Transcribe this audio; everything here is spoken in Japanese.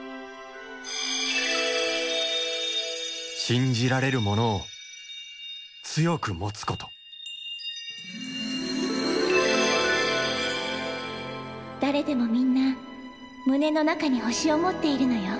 しんじられるものをつよくもつこと「誰でも皆胸の中に星を持っているのよ」。